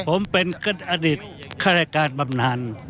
ผมเป็นอดีตข้ารายการบำนาน